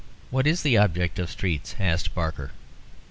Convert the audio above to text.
"What is the object of streets?" asked Barker.